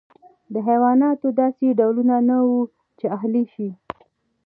د حیواناتو داسې ډولونه نه وو چې اهلي شي.